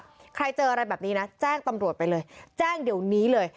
ใครเจออะไรแบบนี้นะแจ้งตำรวจไปเลยแจ้งเดี๋ยวนี้เลย